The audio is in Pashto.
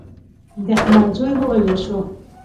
د احمد زوی ووژل شو.